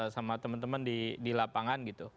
sama teman teman di lapangan gitu